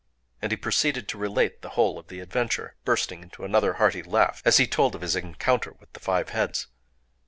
And he proceeded to relate the whole of the adventure,—bursting into another hearty laugh as he told of his encounter with the five heads.